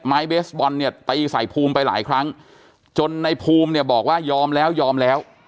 เบสบอลเนี่ยตีใส่ภูมิไปหลายครั้งจนในภูมิเนี่ยบอกว่ายอมแล้วยอมแล้ว